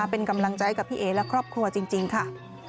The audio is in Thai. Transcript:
เป็นกำลังใจกับพี่เอ๋และครอบครัวจริงค่ะ